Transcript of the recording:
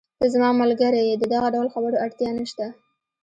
ته زما ملګری یې، د دغه ډول خبرو اړتیا نشته.